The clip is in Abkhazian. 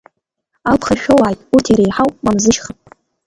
Алԥха шәоуааит урҭ иреиҳау Мамзышьха.